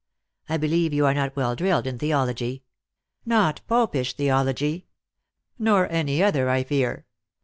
I believe you are not well drilled in theology." " Not popish theology." " Nor any other, I fear.